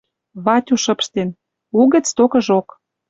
Ватю шыпштен. Угӹц токыжок